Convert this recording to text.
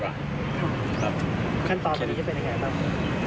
ท่านตอบนี้จะเป็นยังไงครับ